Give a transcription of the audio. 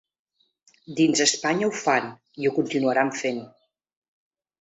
Dins Espanya ho fan, i ho continuaran fent.